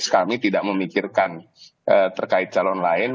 kami tidak memikirkan terkait calon lain